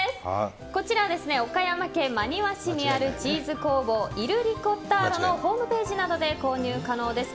こちら、岡山県真庭市にあるチーズ工房イルリコッターロのホームページなどで購入可能です。